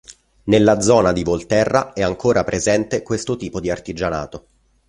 Nella zona di Volterra è ancora presente questo tipo di artigianato.